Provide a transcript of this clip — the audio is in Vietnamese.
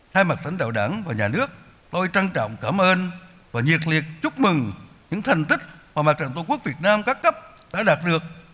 thay mặt lãnh đạo đảng và nhà nước tôi trân trọng cảm ơn và nhiệt liệt chúc mừng những thành tích mà mặt trận tổ quốc việt nam các cấp đã đạt được